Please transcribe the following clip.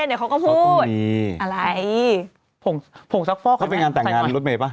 เดี๋ยวเขาก็พูดอะไรผงผงซักฟอกเขาไปงานแต่งงานรถเมย์ป่ะ